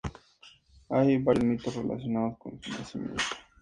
Hay varios mitos relacionados con su nacimiento.